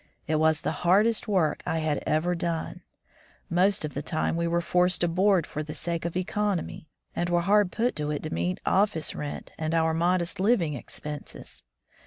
It was the hardest work I had ever done! Most of the time we were forced to board for the sake of economy, and were hard put to it to meet office rent and our modest living expenses.